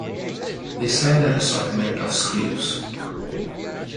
We sell an assortment of screws.